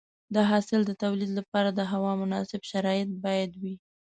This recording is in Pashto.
د حاصل د تولید لپاره د هوا مناسب شرایط باید وي.